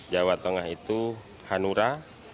jawa tengah itu hanura